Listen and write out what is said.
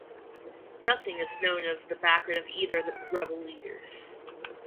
Nothing is known of the background of either of the rebel leaders.